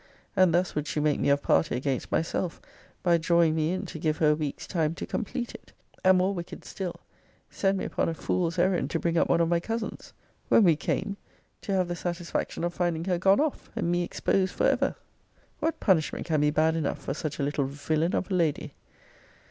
And thus would she make me of party against myself, by drawing me in to give her a week's time to complete it. And, more wicked still, send me upon a fool's errand to bring up one of my cousins. When we came to have the satisfaction of finding her gone off, and me exposed for ever! What punishment can be bad enough for such a little villain of a lady?